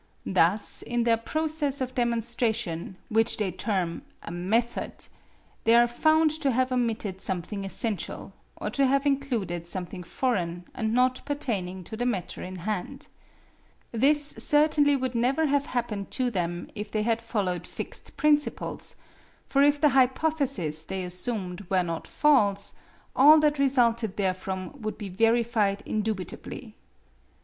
Thus in their process of demonstration which they term a "method," they are found to have omitted something essential, or to have included something foreign and not pertaining to the matter in hand. This certainly would never have happened to them if they had followed fixed principles; for if the hypotheses they assumed were not false, all that resulted therefrom would be verified indubitably.